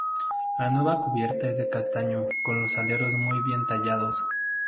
La nueva cubierta es de castaño con los aleros muy bien tallados.